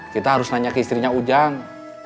kita harus nanya ke istrinya ujang